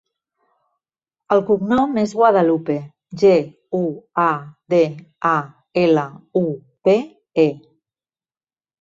El cognom és Guadalupe: ge, u, a, de, a, ela, u, pe, e.